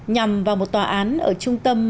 nhằm vào một tòa án ở trung tâm